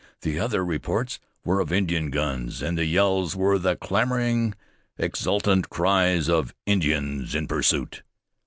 The other reports were of Indian guns, and the yells were the clamoring, exultant cries of Indians in pursuit.